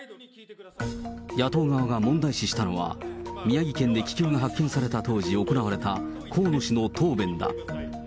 野党側が問題視したのは、宮城県で気球が発見された当時行われた河野氏の答弁だ。